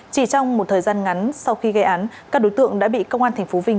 chỉ trong một thời gian ngắn sau khi gây án các đối tượng đã bị công an tp vinh